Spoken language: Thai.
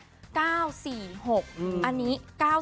๙๔๖อันนี้๙๐๖๙๑๖